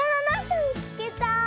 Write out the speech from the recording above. すみつけた。